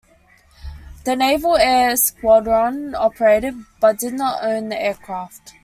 The Naval Air Squadron operated but did not own the aircraft.